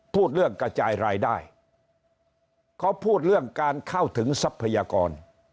พูดเรื่องกระจายรายได้เขาพูดเรื่องการเข้าถึงทรัพยากร